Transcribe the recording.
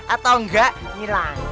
atau enggak hilang